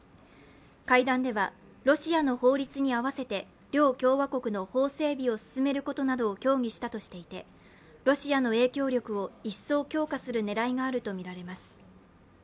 会談ではロシアの法律に合わせて両共和国の法整備を進めることなどを協議したとしていて、ロシアの影響力を一層強化する狙いがあるとみられます。